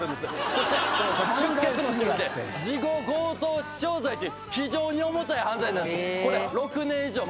そして出血もしてるんで事後強盗致傷罪という非常に重たい犯罪なんです。